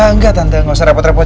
bangga tante gak usah repot repot